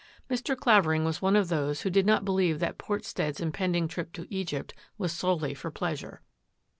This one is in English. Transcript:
Mr. Clavering was of those who did not believe that Portstead's impending trip to Egypt was solely for pleasure.